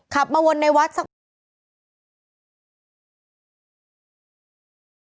ขับมาวนในวัดสักปี